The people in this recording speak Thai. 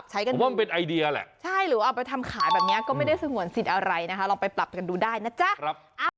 เหมือนตัวเพ้ง